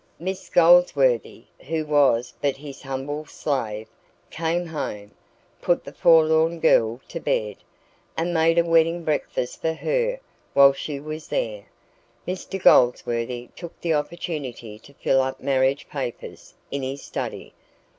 Miss Goldsworthy, who was but his humble slave, came home, put the forlorn girl to bed, and made a wedding breakfast for her while she was there; Mr Goldsworthy took the opportunity to fill up marriage papers in his study.